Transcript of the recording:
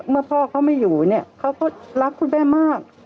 พ่อเขาไม่อยู่เนี่ยเขาก็รักคุณแม่มาก